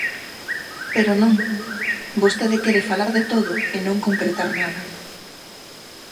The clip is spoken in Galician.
Pero non, vostede quere falar de todo e non concretar nada.